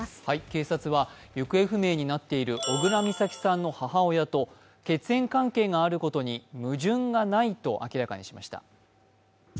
警察は行方不明になっている小倉美咲さんの母親と血縁関係があることに矛盾がないと明らかにしました。